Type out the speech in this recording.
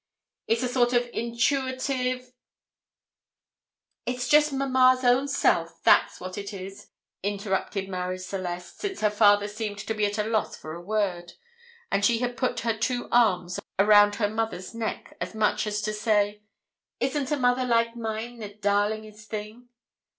It's a sort of intuitive " "It's just mamma's own self, that's what it is," interrupted Marie Celeste, since her father seemed to be at a loss for a word, and she put her two arms around her mother's neck, as much as to say, "Isn't a mother like mine the darlingest thing?"